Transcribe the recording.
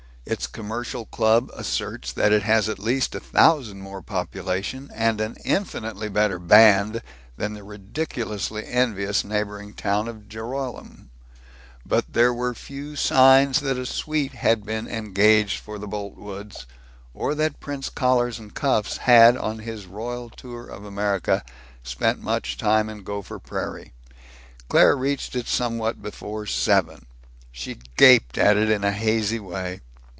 Its commercial club asserts that it has at least a thousand more population and an infinitely better band than the ridiculously envious neighboring town of Joralemon. But there were few signs that a suite had been engaged for the Boltwoods, or that Prince Collars and Cuffs had on his royal tour of America spent much time in Gopher Prairie. Claire reached it somewhat before seven. She gaped at it in a hazy way.